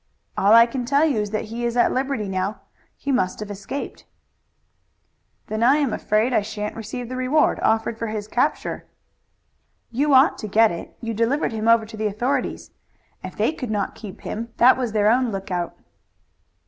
"All I can tell you is that he is at liberty now. He must have escaped." "Then I am afraid I shan't receive the reward offered for his capture." "You ought to get it. You delivered him over to the authorities. If they could not keep him that was their own lookout."